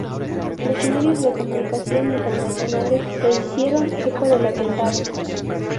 Los medios de comunicación internacionales se hicieron eco del atentado.